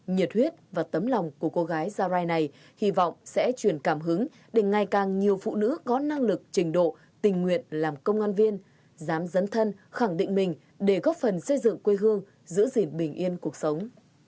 nhiệt huyết và tấm lòng của cô gái gia rai này hy vọng sẽ truyền cảm hứng để ngày càng nhiều phụ nữ có năng lực trình độ tình nguyện làm công an viên dám dấn thân khẳng định mình để góp phần xây dựng quê hương giữ gìn bình yên cuộc sống